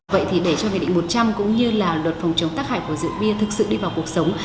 vậy thì để cho hệ định một trăm linh cũng như là luật phòng chống tác hại của rượu bia thực sự đi vào cuộc sống